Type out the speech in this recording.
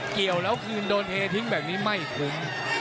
เกี่ยวแล้วคืนโดนเททิ้งแบบนี้ไม่คุ้ม